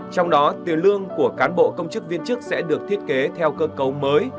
trong đó tiền lương của cán bộ công chức viên chức sẽ được thiết kế theo cơ cấu mới